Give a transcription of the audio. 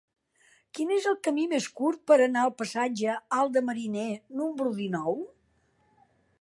Quin és el camí més curt per anar al passatge Alt de Mariner número dinou?